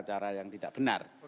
cara yang tidak benar